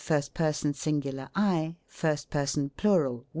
FIRST PERSON SINGULAR. FIRST PERSON PLURAL.